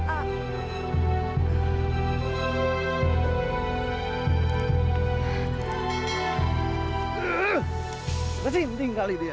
apa sih yang penting kali dia